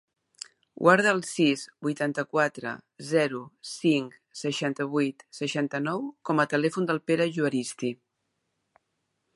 Guarda el sis, vuitanta-quatre, zero, cinc, seixanta-vuit, seixanta-nou com a telèfon del Pere Juaristi.